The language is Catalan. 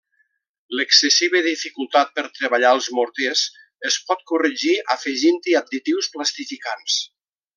L'excessiva dificultat per treballar els morters es pot corregir afegint-hi additius plastificants.